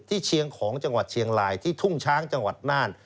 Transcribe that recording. เชียงของจังหวัดเชียงรายที่ทุ่งช้างจังหวัดน่าน